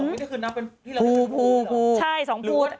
๒เม็ดคือนับเป็นพูใช่๒พู